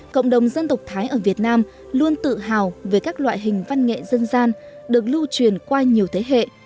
cộng đồng dân tộc thái ở việt nam luôn tự hào về các loại hình văn nghệ dân gian được lưu truyền qua nhiều thế hệ